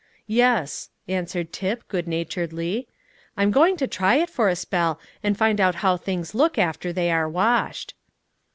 "Yes," answered Tip good naturedly; "I'm going to try it for a spell, and find out how things look after they are washed."